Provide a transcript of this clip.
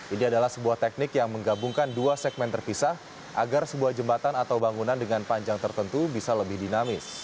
ini adalah sebuah teknik yang menggabungkan dua segmen terpisah agar sebuah jembatan atau bangunan dengan panjang tertentu bisa lebih dinamis